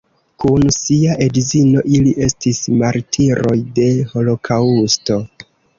Kun sia edzino ili estis martiroj de holokaŭsto.